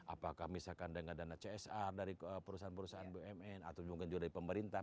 apakah misalkan dengan dana csr dari perusahaan perusahaan bumn atau mungkin juga dari pemerintah